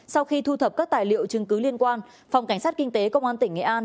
sau khi thu thập các tài liệu chứng cứ liên quan phòng cảnh sát kinh tế công an tỉnh nghệ an